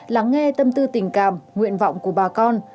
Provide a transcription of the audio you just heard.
lắng nghe tâm tư tình cảm nguyện vọng của bà con